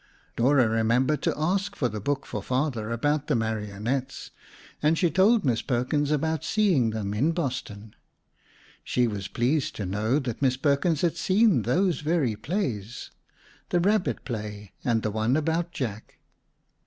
Dora remembered to ask for the book for Father about the marionettes and she told Miss Perkins about seeing them in Boston. She was pleased to know that Miss Perkins had seen those very plays, the rabbit play and the one about Jack.